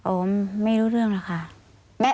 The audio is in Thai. ไม่รู้เรื่องหรอกค่ะ